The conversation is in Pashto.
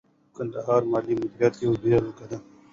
د کندهار مالي مدیریت یوه بیلګه ده.